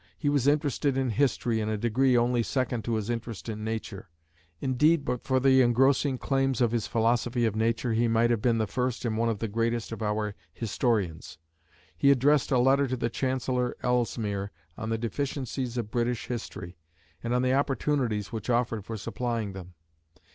He was interested in history in a degree only second to his interest in nature; indeed, but for the engrossing claims of his philosophy of nature, he might have been the first and one of the greatest of our historians. He addressed a letter to the Chancellor Ellesmere on the deficiencies of British history, and on the opportunities which offered for supplying them.